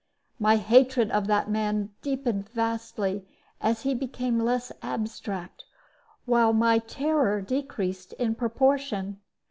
My hatred of that man deepened vastly, as he became less abstract, while my terror decreased in proportion.